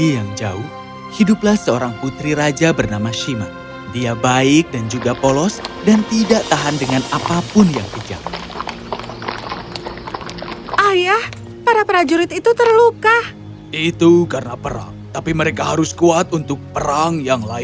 ya itulah perang